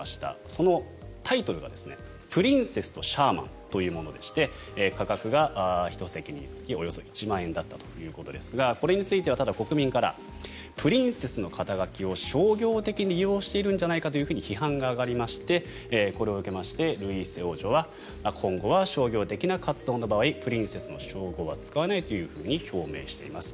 そのタイトルが「プリンセスとシャーマン」というものでして価格が１席につきおよそ１万円だったということですがこれについては国民からプリンセスの肩書を商業的に利用しているんじゃないかと批判が上がりましてこれを受けましてルイーセ王女は今後は商業的な活動の場合プリンセスの称号は使わないと表明しています。